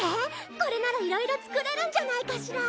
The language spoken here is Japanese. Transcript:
これならいろいろ作れるんじゃないかしら。